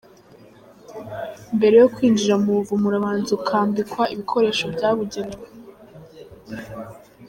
Mbere yo kwinjira mu buvumo urabanza ukambikwa ibikoresho byabugenewe.